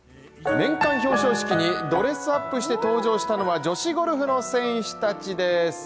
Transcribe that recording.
年間表彰式にドレスアップして登場したのは女子ゴルフの選手たちです